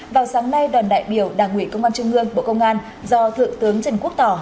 vào sáng nay đoàn đại biểu đảng ủy công an trung ương bộ công an do thượng tướng trần quốc tỏ